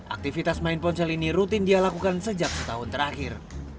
aktivitas main ponsel ini rutin dia lakukan sejak setahun terakhir